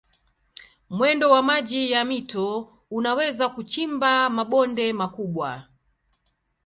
Mwendo wa maji ya mito unaweza kuchimba mabonde makubwa.